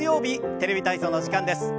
「テレビ体操」の時間です。